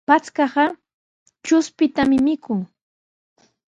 Patrkaqa chushpitami mikun.